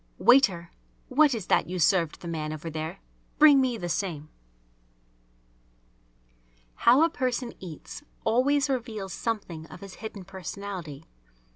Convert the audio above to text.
"Waiter, what is that you served the man over there? Bring me the same!" How a person eats always reveals something of his hidden personality.